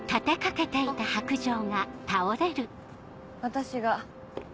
私が。